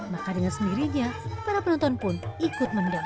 maka dengan sendirinya para penonton pun ikut mendalam